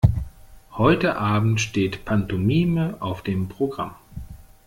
Heute Abend steht Pantomime auf dem Programm.